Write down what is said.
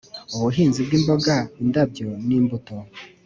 ubuhinzi bw imboga indabyo n imbuto